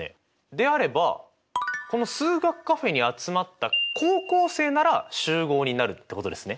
であればこの数学カフェに集まった高校生なら集合になるってことですね。